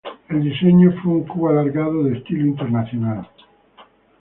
El diseño fue un cubo alargado de estilo internacional.